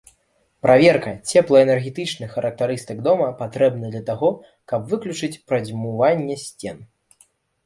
Праверка цеплаэнергетычных характарыстык дома патрэбная для таго, каб выключыць прадзьмуванне сцен.